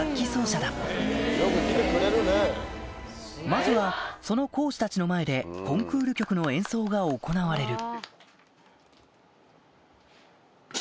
まずはその講師たちの前でコンクール曲の演奏が行われる